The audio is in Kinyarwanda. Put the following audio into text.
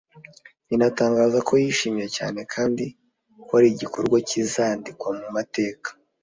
inatangaza ko yishimye cyane kandi ko ari igikorwa kizandikwa mu mateka